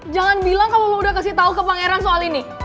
jangan bilang kalau lo udah kasih tau ke pangeran soal ini